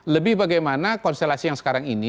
lebih bagaimana konstelasi yang sekarang ini